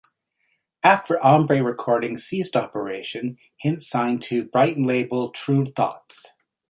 After Hombre Recordings ceased operation, Hint signed to Brighton label Tru Thoughts.